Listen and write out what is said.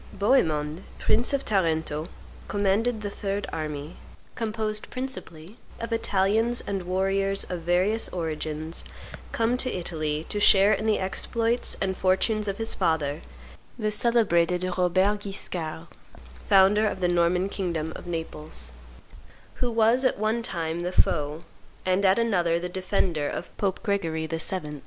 Bohemond, prince of Tarento, commanded the third army, composed principally of Italians and warriors of various origins come to Italy to share in the exploits and fortunes of his father, the celebrated Robert Guiscard, founder of the Norman kingdom of Naples, who was at one time the foe, and at another the defender, of Pope Gregory VII.